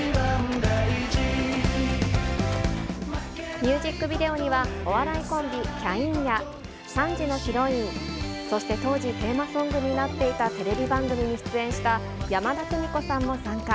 ミュージックビデオには、お笑いコンビ、キャインや、３時のヒロイン、そして、当時、テーマソングになっていたテレビ番組に出演した山田邦子さんも参加。